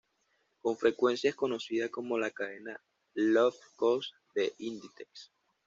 Con frecuencia es conocida como la cadena "low cost" de Inditex.